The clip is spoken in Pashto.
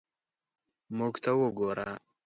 موږ ته وګوره.